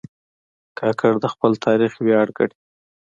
کاکړ د خپل تاریخ ویاړ ګڼي.